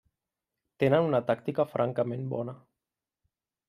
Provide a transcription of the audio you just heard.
Tenen una tàctica francament bona.